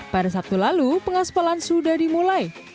pada sabtu lalu pengaspalan sudah dimulai